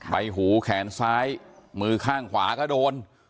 ใบหูแขนซ้ายมือข้างขวาก็โดน